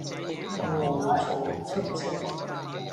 昂藏七尺